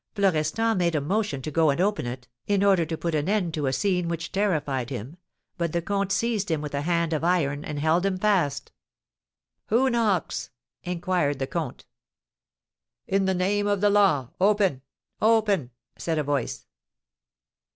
Florestan made a motion to go and open it, in order to put an end to a scene which terrified him; but the comte seized him with a hand of iron, and held him fast. "Who knocks?" inquired the comte. "In the name of the law, open! Open!" said a voice.